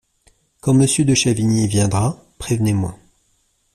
Quand Monsieur de Chavigny viendra, prévenez-moi.